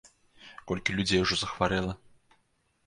Колькі людзей ужо захварэла!